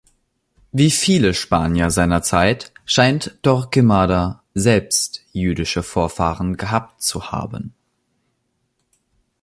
Wie viele Spanier seiner Zeit scheint Torquemada selbst jüdische Vorfahren gehabt zu haben.